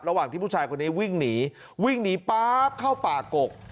ระหว่างที่ผู้ชายคนนี้วิ่งหนีวิ่งหนีป๊าบเข้าป่ากก